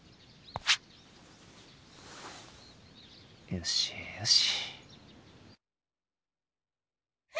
よしよし。